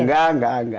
enggak enggak enggak